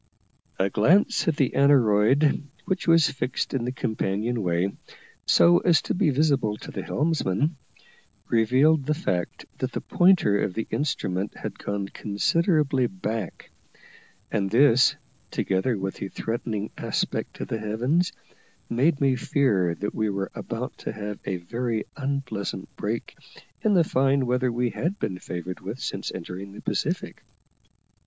A glance at the aneroid, which was fixed in the companion way, so as to be visible to the helmsman, revealed the fact that the pointer of the instrument had gone considerably back; and this, together with the threatening aspect of the heavens, made me fear that we were about to have a very unpleasant break in the fine weather we had been favoured with since entering the Pacific.